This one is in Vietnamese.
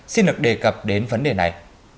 xin được đề cập đến vấn đề này